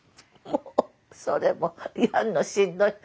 もうそれもやんのしんどい。